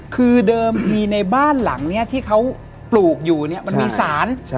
คือเดิมทีในบ้านหลังนี้ที่เขาปลูกอยู่เนี่ยมันมีสาร